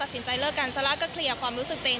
ซัลล่าก็เคลียร์ความรู้สึกตัวเอง